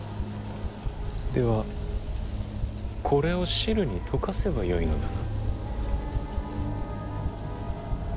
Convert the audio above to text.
では、これを汁に溶かせばよいのだな。